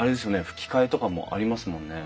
ふき替えとかもありますもんね。